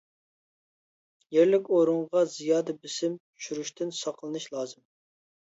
-يەرلىك ئورۇنغا زىيادە بېسىم چۈشۈرۈشتىن ساقلىنىش لازىم.